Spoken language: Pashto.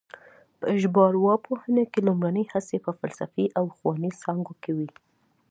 په ژبارواپوهنه کې لومړنۍ هڅې په فلسفي او ښوونیزو څانګو کې وې